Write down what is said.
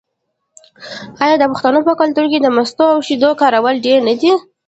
آیا د پښتنو په کلتور کې د مستو او شیدو کارول ډیر نه دي؟